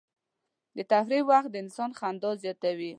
د تفریح وخت د انسان خندا زیاتوي.